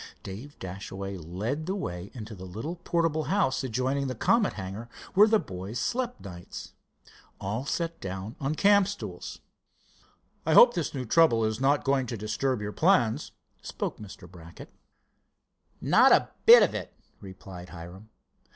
Dave Dashaway led the way into the little portable house adjoining the Comet hangar where the boys slept nights. All sat down on camp stools. "I hope this new trouble is not going to disturb your plans," spoke Mr. Brackett. "Not a bit of it," replied Hiram.